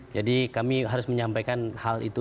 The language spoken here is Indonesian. jadi kami harus menyampaikan hal itu